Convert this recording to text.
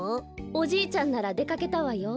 おじいちゃんならでかけたわよ。